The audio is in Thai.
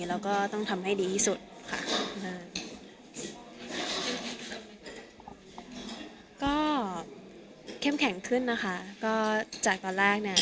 แล้วก็ต้องทำให้ดีที่สุดค่ะก็เข้มแข็งขึ้นนะคะก็จากตอนแรกเนี่ย